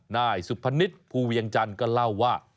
นายสุพนิษฐ์ภูเวียงจันทร์ก็เล่าว่า